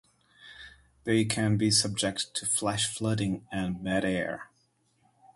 They can be subject to flash flooding and bad air.